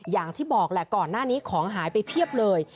อย่างที่บอกแหละก่อนหน้านี้ของหายไปเพียบเลย